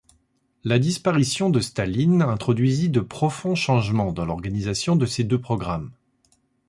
La disparition de Staline introduisit de profonds changements dans l'organisation de ces deux programmes.